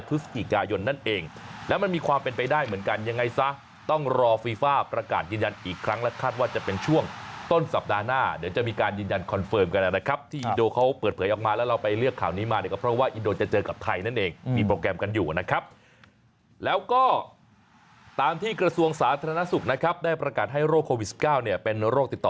ประกาศยืนยันอีกครั้งและคาดว่าจะเป็นช่วงต้นสัปดาห์หน้าเดี๋ยวจะมีการยืนยันคอนเฟิร์มกันแล้วนะครับที่อินโดเขาเปิดเผยออกมาแล้วเราไปเลือกข่าวนี้มาเนี่ยก็เพราะว่าอินโดจะเจอกับไทยนั่นเองมีโปรแกรมกันอยู่นะครับแล้วก็ตามที่กระทรวงสาธารณสุขนะครับได้ประกาศให้โรคโควิด๑๙เนี่ยเป็นโ